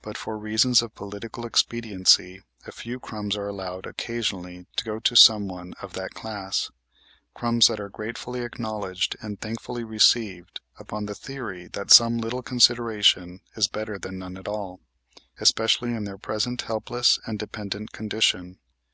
But, for reasons of political expediency, a few crumbs are allowed occasionally to go to some one of that class, crumbs that are gratefully acknowledged and thankfully received, upon the theory that some little consideration is better than none at all, especially in their present helpless and dependent condition.